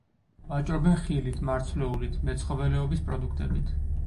ვაჭრობენ ხილით, მარცვლეულით, მეცხოველეობის პროდუქტებით.